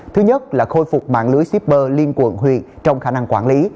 thứ nhất là khôi phục mạng lưới shipper liên quận huyện trong khả năng quản lý